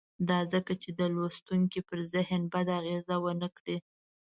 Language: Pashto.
دا ځکه چې د لوستونکي پر ذهن بده اغېزه ونه کړي.